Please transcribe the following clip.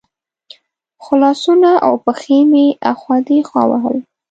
خو لاسونه او پښې مې اخوا دېخوا وهل.